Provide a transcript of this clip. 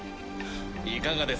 いかがです？